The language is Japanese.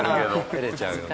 照れちゃうよね。